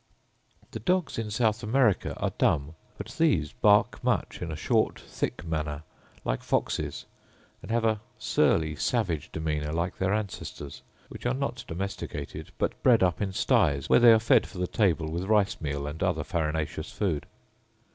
The dogs in South America are dumb; but these bark much in a short thick manner, like foxes; and have a surly, savage demeanour like their ancestors, which are not domesticated, but bred up in sties, where they are fed for the table with rice meal and other farinaceous food.